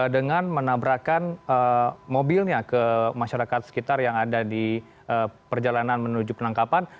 dengan menabrakan mobilnya ke masyarakat sekitar yang ada di perjalanan menuju penangkapan